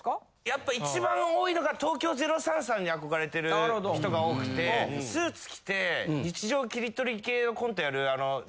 やっぱ一番多いのが東京０３さんに憧れてる人が多くてスーツ着て日常切り取り系のコントやる。